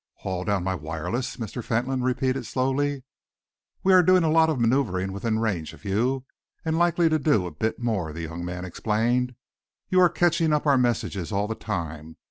"Haul down my wireless," Mr. Fentolin repeated slowly. "We are doing a lot of manoeuvring within range of you, and likely to do a bit more," the young man explained. "You are catching up our messages all the time.